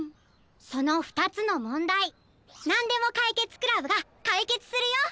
そのふたつのもんだいなんでもかいけつクラブがかいけつするよ！